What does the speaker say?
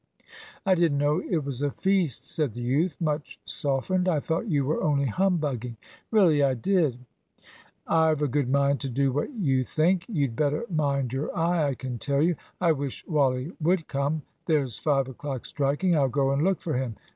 "I didn't know it was a feast," said the youth, much softened. "I thought you were only humbugging; really I did." "I've a good mind to do what you think. You'd better mind your eye, I can tell you I wish Wally would come. There's five o'clock striking I'll go and look for him.